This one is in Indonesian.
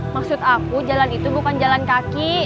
maksud aku jalan itu bukan jalan kaki